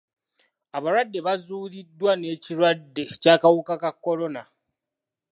Abalwadde baazuulibwa n'ekirwadde ky'akawuka ka kolona